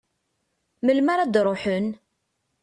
Melmi ara d-ruḥen?